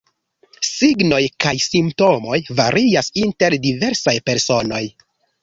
Signoj kaj simptomoj varias inter diversaj personoj.